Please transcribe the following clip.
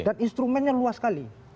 dan instrumennya luas sekali